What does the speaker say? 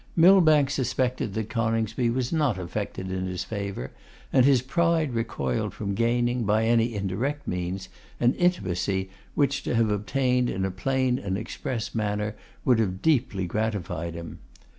Millbank suspected that Coningsby was not affected in his favour, and his pride recoiled from gaining, by any indirect means, an intimacy which to have obtained in a plain and express manner would have deeply gratified him.